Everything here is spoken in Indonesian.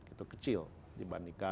itu kecil dibandingkan